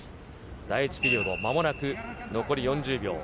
第１ピリオド、まもなく残り４０秒。